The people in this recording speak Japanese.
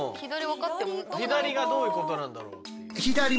左がどういうことなんだろう。